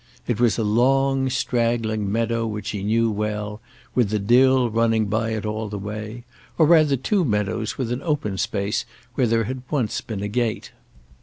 It was a long straggling meadow which he knew well, with the Dill running by it all the way, or rather two meadows with an open space where there had once been a gate.